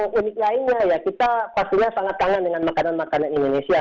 yang unik lainnya ya kita pastinya sangat kangen dengan makanan makanan indonesia